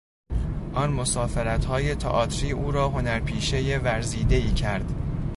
آن مسافرتهای تئاتری او را هنرپیشهی ورزیدهای کرد.